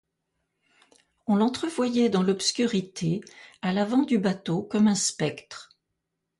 On l'entrevoyait dans l'obscurité, à l'avant du bateau, comme un spectre.